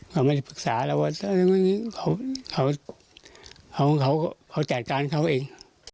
เขาไม่ได้ปรึกษาเราว่าเขาจัดการเขาเอง